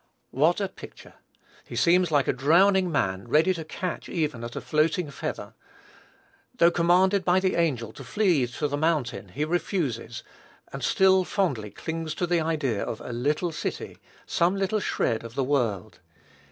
What a picture! He seems like a drowning man, ready to catch even at a floating feather. Though commanded by the angel to flee to the mountain, he refuses, and still fondly clings to the idea of "a little city," some little shred of the world.